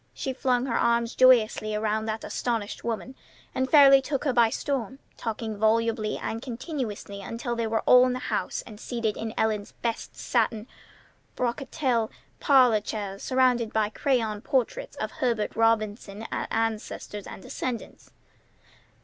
She flung her arms joyously around that astonished woman, and fairly took her by storm, talking volubly and continuously until they were all in the house and seated in Ellen's best satin brocatelle parlor chairs, surrounded by crayon portraits of Herbert Robinson's ancestors and descendants.